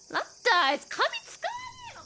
あいつ紙使えねえのか？